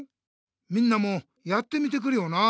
みんなもやってみてくれよな。